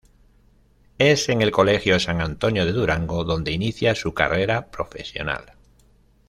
Es en el colegio San Antonio de Durango donde inicia su carrera profesional.